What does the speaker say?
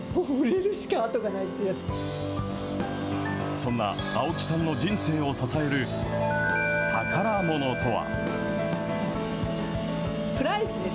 そんな青木さんの人生を支える宝ものとは。